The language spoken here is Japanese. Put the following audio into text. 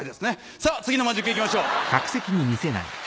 さぁ次のマジックいきましょう。